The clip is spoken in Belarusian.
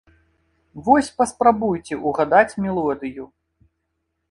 Вось паспрабуйце угадаць мелодыю.